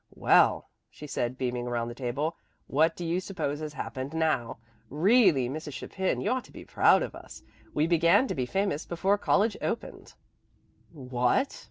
"Well," she said, beaming around the table. "What do you suppose has happened now? Really, Mrs. Chapin, you ought to be proud of us. We began to be famous before college opened " "What?"